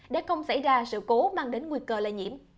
để không xảy ra sự cố mang đến nguy cơ lây nhiễm